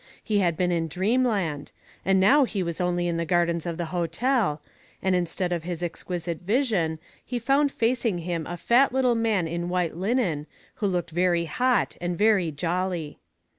He had been in dreamland, and now he was only in the gardens of the hotel, and instead of his ex quisite vision he found facing him a fat little man in white linen, who looked very hot and very jolly.